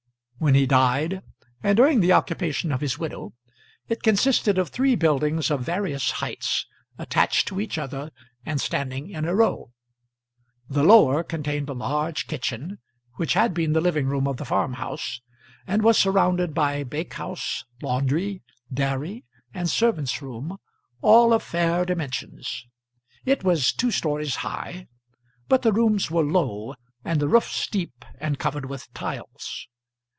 When he died, and during the occupation of his widow, it consisted of three buildings of various heights, attached to each other, and standing in a row. The lower contained a large kitchen, which had been the living room of the farm house, and was surrounded by bake house, laundry, dairy, and servants' room, all of fair dimensions. It was two stories high, but the rooms were low, and the roof steep and covered with tiles.